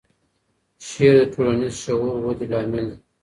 شعر د ټولنیز شعور ودې لامل دی.